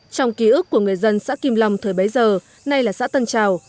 trong ký ức của người dân xã kim long thời bấy giờ nay là xã tân trào